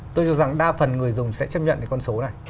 tôi cho rằng đa phần người dùng sẽ chấp nhận cái con số này